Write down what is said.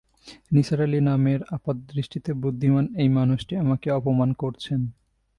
নিসার আলি নামের আপাতদৃষ্টিতে বুদ্ধিমান এই মানুষটি আমাকে অপমান করছেন।